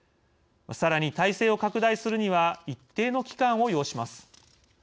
さらに体制を拡大するには一定の期間を要します。